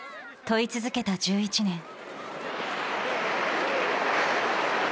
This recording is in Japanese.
問い続けた１１年。